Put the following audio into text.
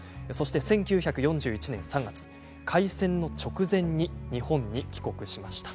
１９４１年３月、開戦の直前に日本に帰国しました。